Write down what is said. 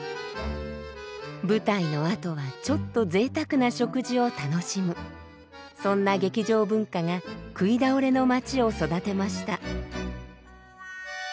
舞台のあとはちょっとぜいたくな食事を楽しむそんな劇場文化が食い倒れの街を育てました。